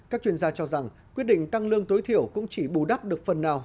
các chuyên gia cho rằng quyết định tăng lương tối thiểu cũng chỉ bù đắp được phần nào